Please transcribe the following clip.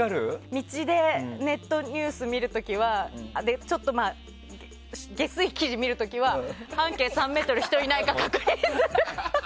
道でネットニュース見る時はちょっとゲスい記事見る時は半径３ｍに人がいないか確認します。